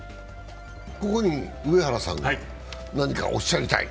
ここに上原さんが何かおっしゃりたい？